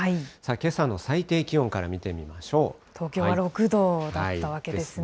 けさの最低気温から見てみましょ東京は６度だったわけですね。